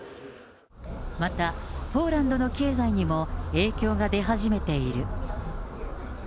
また、ポーランドの経済にも影響が出始めている。